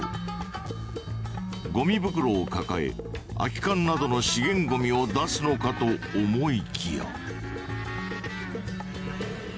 ごみ袋を抱え空き缶などの資源ごみを出すのかと思いきや。